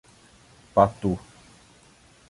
Patu